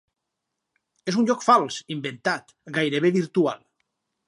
És un lloc fals, inventat, gairebé virtual.